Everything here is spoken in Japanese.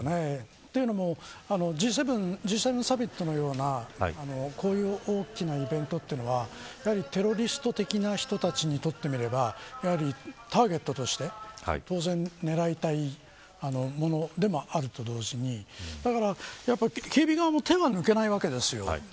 というのもＧ７サミットのようなこういう大きなイベントというのはやはりテロリスト的な人にとってみればターゲットとして当然狙いたいものでもあると同時に警備側も手は抜けないわけです。